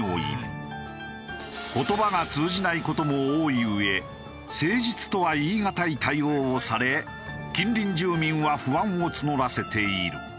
言葉が通じない事も多いうえ誠実とは言い難い対応をされ近隣住民は不安を募らせている。